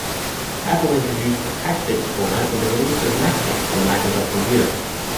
Apple introduced the PackBits format with the release of MacPaint on the Macintosh computer.